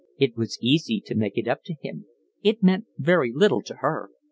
It was easy to make it up to him. It meant very little to her.